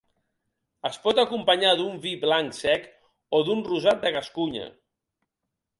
Es pot acompanyar d'un vi blanc sec, o d'un rosat de Gascunya.